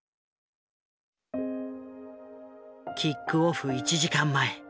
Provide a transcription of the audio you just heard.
キックオフ１時間前。